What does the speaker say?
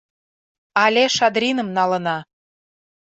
Але Шадриным налына.